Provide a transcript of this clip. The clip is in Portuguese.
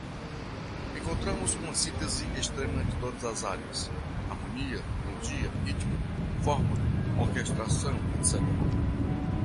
Encontramos uma síntese extrema de todas as áreas: harmonia, melodia, ritmo, forma, orquestração, etc.